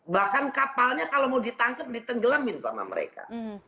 bahkan kapalnya kalau mau ditangkap ditenggelamin sama mereka